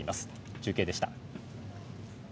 中継でした。